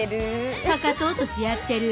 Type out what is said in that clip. かかと落としやってる。